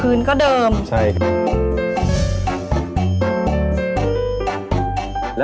พื้นก็เดิมใช่ค่ะค่ะค่ะค่ะค่ะค่ะค่ะค่ะค่ะค่ะค่ะ